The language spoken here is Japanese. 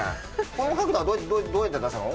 この角度はどうやって出したの？